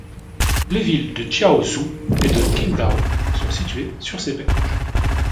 Les villes de Jiaozhou et de Qingdao sont situés sur ses berges.